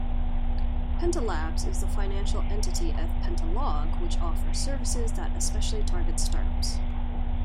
Pentalabbs is the financial entity of Pentalog which offers services that especially target start-ups.